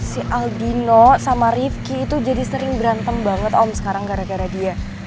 si aldino sama rifki itu jadi sering berantem banget om sekarang gara gara dia